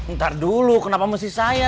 ntar dulu kenapa mesti saya